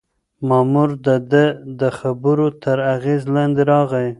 مامور د ده د خبرو تر اغېز لاندې راغی.